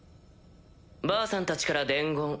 ばあさんたちから伝言。